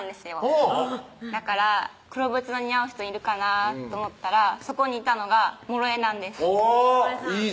ほうだから黒縁の似合う人いるかなと思ったらそこにいたのがもろえなんですおぉいい